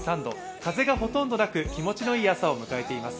風がほとんどなく気持ちのいい朝を迎えています。